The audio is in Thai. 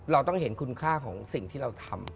เราต้องเห็นคุณค่าของสิ่งที่เราทำ